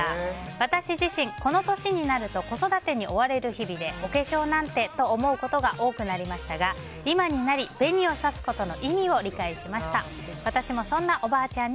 私自身、この年になると子育てに追われる日々でお化粧なんてと思うことが多くなりましたが「エアジェット除菌ＥＸ」ならピンク汚れ予防も！